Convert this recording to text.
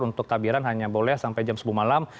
untuk tabiran hanya boleh sampai jam sepuluh malam